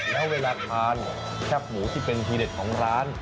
แล้วเวลาทานแคบหมูที่เป็นทีเด็ดของร้าน